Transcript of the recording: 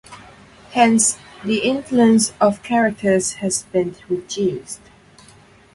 Hence, the influence of characters has been reduced.